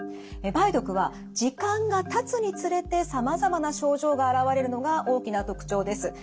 梅毒は時間がたつにつれてさまざまな症状が現れるのが大きな特徴です。